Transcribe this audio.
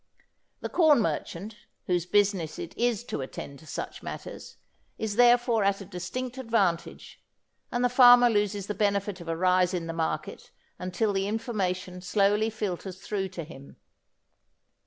The corn merchant, whose business it is to attend to such matters, is therefore at a distinct advantage, and the farmer loses the benefit of a rise in the market until the information slowly filters through to him.